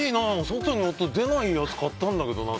外に出ないやつ買ったんだけどな。